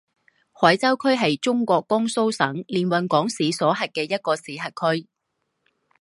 海州区是中国江苏省连云港市所辖的一个市辖区。